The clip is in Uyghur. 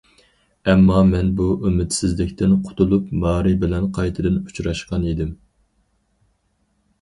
ئەمما، مەن بۇ ئۈمىدسىزلىكتىن قۇتۇلۇپ، مارى بىلەن قايتىدىن ئۇچراشقان ئىدىم.